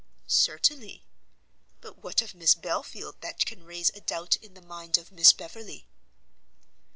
"Certainly; but what of Miss Belfield that can raise a doubt in the mind of Miss Beverley?"